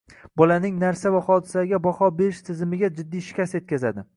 bolaning narsa va hodisalarga baho berish tizimiga jiddiy shikast yetkazadi.